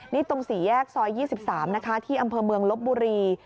นี่ตรง๔แยกซอย๒๓นะคะที่อำเภอเมืองลบบุรี